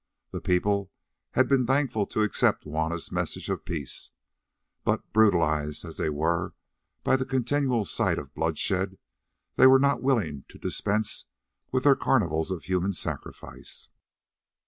The people had been thankful to accept Juanna's message of peace, but, brutalised as they were by the continual sight of bloodshed, they were not willing to dispense with their carnivals of human sacrifice.